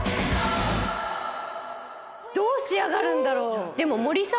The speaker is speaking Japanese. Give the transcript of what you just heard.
どう仕上がるんだろう？